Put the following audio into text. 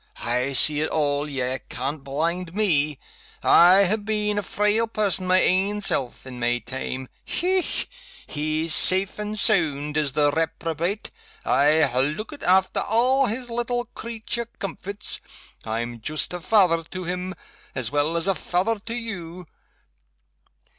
_ I see it all ye can't blind Me I ha' been a frail person my ain self, in my time. Hech! he's safe and sound, is the reprobate. I ha' lookit after a' his little creature comforts I'm joost a fether to him, as well as a fether to you.